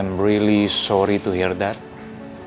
aku benar benar minta maaf untuk mendengarnya